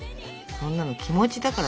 そんなの気持ちだから。